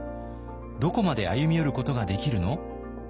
「どこまで歩み寄ることができるの？」。